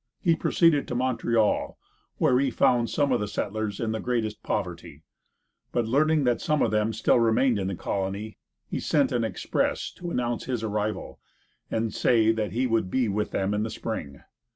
He proceeded to Montreal, where he found some of the settlers in the greatest poverty; but learning that some of them still remained in the colony, he sent an express to announce his arrival, and say that he would be with them in the spring.